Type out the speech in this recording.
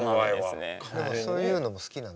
でもそういうのも好きなんだね。